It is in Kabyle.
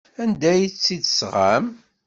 Anda ay tt-id-tesɣam?